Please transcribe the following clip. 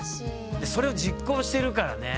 でそれを実行しているからね。